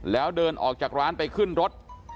แล้วเดินออกจากร้านไปขึ้นรถ